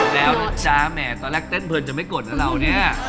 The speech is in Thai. แล้วจ๊ะแหมตอนแรกเต้นเพลินจะไม่กดนะเราเนี่ย